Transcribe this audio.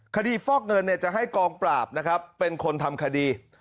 คดีฟอกเงินจะให้กองปราบเป็นคนทำคดี